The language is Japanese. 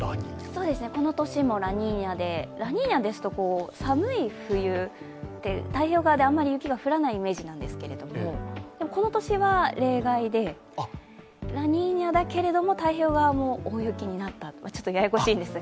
そうですね、この年もラニーニャで、ラニーニャですと寒い冬って太平洋側ってあまり雪が降らないイメージなんですけどでもこの年は例外で、ラニーニャだけれども太平洋側も大雪になった、ちょっとややこしいんですが。